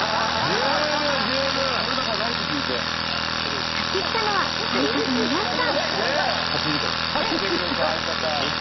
やってきたのは相方のやすさん。